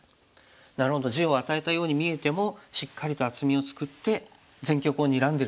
なるほど地を与えたように見えてもしっかりと厚みを作って全局をにらんでるということですね。